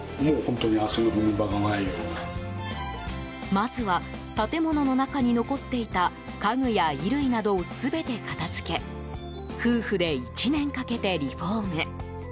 まずは、建物の中に残っていた家具や衣類などを全て片付け夫婦で１年かけてリフォーム。